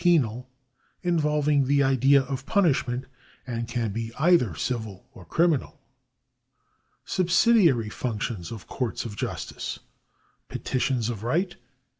I^Penal— involving the idea of punishment — civil or criminal. Subsidiary functions of courts of justice :— 1 . Petitions of right.